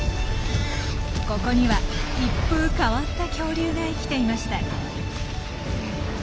ここには一風変わった恐竜が生きていました。